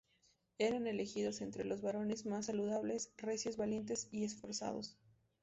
Eran elegidos entre los varones más saludables, recios, valientes y esforzados.